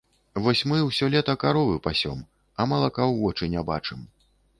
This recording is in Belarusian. Вось мы ўсё лета каровы пасём, а малака ў вочы не бачым.